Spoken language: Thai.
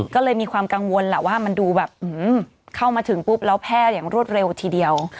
ก็เลยมีความกังวลแหละว่ามันดูแบบเข้ามาถึงปุ๊บแล้วแพร่อย่างรวดเร็วทีเดียว